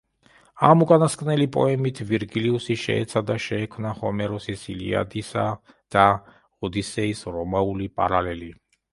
ამ უკანასკნელი პოემით ვირგილიუსი შეეცადა შეექმნა ჰომეროსის „ილიადისა“ და „ოდისეის“ რომაული პარალელი.